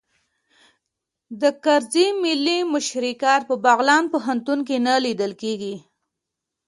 د کرزي ملي مشارکت په بغلان پوهنتون کې نه لیدل کیږي